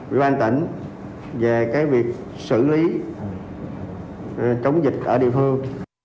quỹ ban tỉnh về cái việc xử lý chống dịch ở địa phương